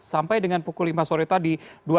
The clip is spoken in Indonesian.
sampai dengan pukul lima sore tadi